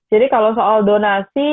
jadi kalau soal donasi